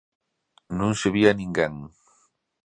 Non se vía ninguén.